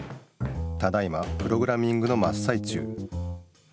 ただいまプログラミングのまっさい中。